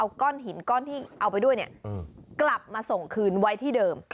เอาก้อนหินก้อนที่เอาไปด้วยกลับมาส่งคืนไว้ที่เดิม